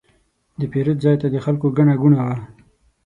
د پیرود ځای ته د خلکو ګڼه ګوڼه وه.